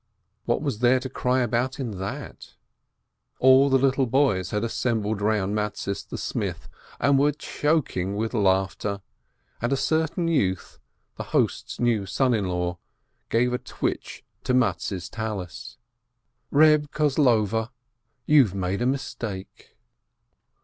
What was there to cry about in that ? All the little boys had assembled round Mattes the smith, and were choking with laugh ter, and a certain youth, the host's new son in law, gave a twitch to Mattes' Tallis: "Reb Kozlover, you've made a mistake!"